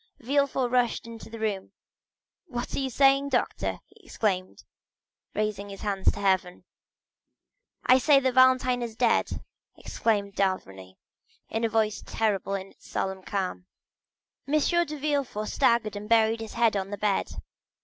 Villefort rushed into the room. "What are you saying, doctor?" he exclaimed, raising his hands to heaven. "I say that Valentine is dead!" replied d'Avrigny, in a voice terrible in its solemn calmness. 50085m M. de Villefort staggered and buried his head in the bed.